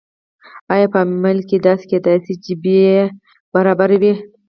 آیا په عمل کې داسې کیدای شي چې بیې برابرې وي؟